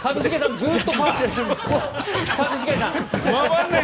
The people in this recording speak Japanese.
ずっと勝ってる。